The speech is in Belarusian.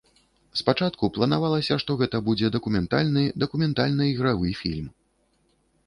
Спачатку планавалася, што гэта будзе дакументальны, дакументальна-ігравы фільм.